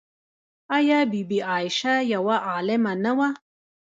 آیا بی بي عایشه یوه عالمه نه وه؟